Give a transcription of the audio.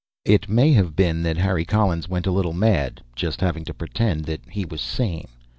It may have been that Harry Collins went a little mad, just having to pretend that he was sane.